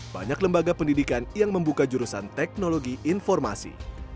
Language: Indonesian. banyak lembaga pendidikan yang membuka jurusan teknologi informasi